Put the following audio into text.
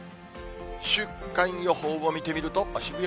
週間予報を見てみると、渋谷